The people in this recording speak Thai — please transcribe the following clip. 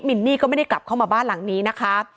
นี่ก็ไม่ได้กลับเข้ามาบ้านหลังนี้นะคะ